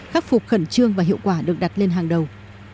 khắc phục khẩn trương và hiệu quả được đặt lên hàng đầu